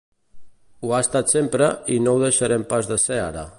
Ho ha estat sempre i no ho deixarem pas de ser ara.